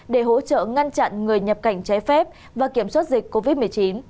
để hỗ trợ ngăn chặn người nhập cảnh trái phép và kiểm soát dịch covid một mươi chín